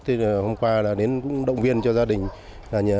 thì hôm qua là đến động viên cho gia đình